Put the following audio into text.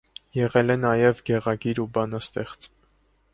Եղել է նաև գեղագիր ու բանաստեղծ։